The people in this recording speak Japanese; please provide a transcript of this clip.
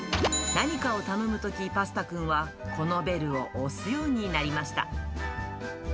何かを頼むとき、パスタくんはこのベルを押すようになりました。